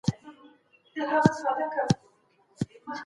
قانون ماتوونکي باید مجازات سي.